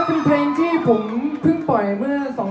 แต่พรุ่งนี้ไม่มีเขาให้เธอก่อนอีกครั้ง